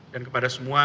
dan kepada semua